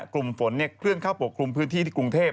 กลุ่มฝนเคลื่อนเข้าปกคลุมพื้นที่ที่กรุงเทพ